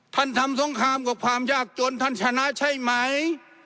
ท่านทำสงครามกับความยากจนท่านชนะใช่ไหม